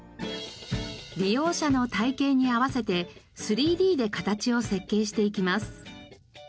利用者の体形に合わせて３Ｄで形を設計していきます。